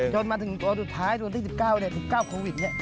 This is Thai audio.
จนมาถึงตัวสุดท้ายตัวสิบเก้าสิบเก้าโควิดนี่